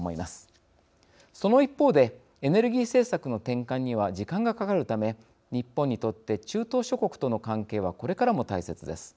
その一方でエネルギー政策の転換には時間がかかるため日本にとって中東諸国との関係はこれからも大切です。